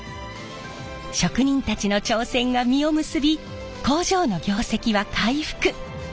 職人たちの挑戦が実を結び工場の業績は回復。